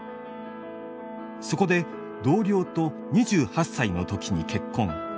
そこで同僚と２８歳の時に結婚。